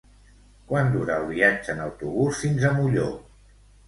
Quant dura el viatge en autobús fins a Molló?